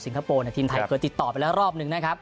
คโปร์ทีมไทยเคยติดต่อไปแล้วรอบนึงนะครับ